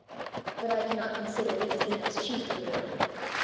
But I cannot consider this Enoch's chief reward.